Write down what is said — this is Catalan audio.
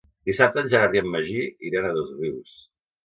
Dissabte en Gerard i en Magí iran a Dosrius.